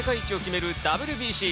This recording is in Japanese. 野球の世界一を決めるＷＢＣ。